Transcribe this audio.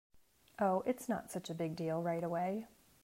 Oh, it’s not such a big deal right away.